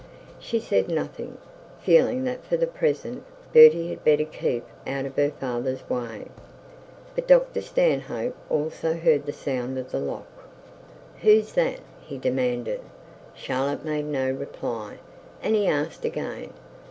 She said nothing, feeling that for the present Bertie had better keep out of her father's way. But Dr Stanhope also heard the sound of the lock. 'Who's that?' he demanded. Charlotte made no reply, and he asked again.